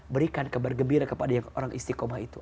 berikan kebergembira kepada orang istiqomah itu